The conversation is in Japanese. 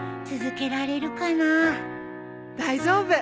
大丈夫。